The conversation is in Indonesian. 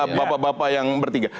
bapak bapak yang bertiga